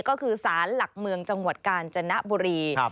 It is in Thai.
ก็คือสารหลักเมืองจังหวัดกาญจนบุรี